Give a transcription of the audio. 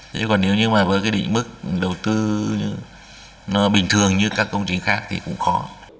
thế còn nếu như mà với cái định mức đầu tư nó bình thường như các công trình khác thì cũng khó